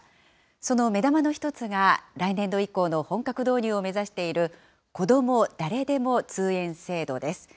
その目玉の一つが、来年度以降の本格導入を目指している、こども誰でも通園制度です。